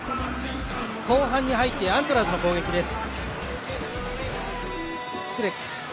後半に入ってアントラーズの攻撃です。